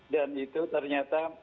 dan itu ternyata